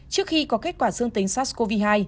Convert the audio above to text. trước khi có kết quả dương tính sars cov hai